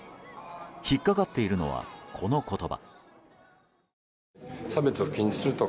引っかかっているのはこの言葉。